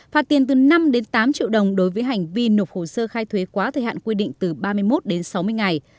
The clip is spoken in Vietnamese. phạt tiền từ năm đến tám triệu đồng đối với hành vi nộp hồ sơ khai thuế quá thời hạn quy định từ ba mươi một đến sáu mươi ngày